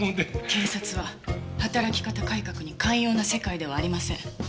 警察は働き方改革に寛容な世界ではありません。